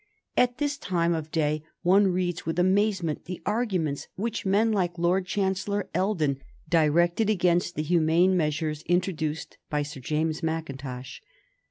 At this time of day one reads with amazement the arguments which men like Lord Chancellor Eldon directed against the humane measures introduced by Sir James Mackintosh.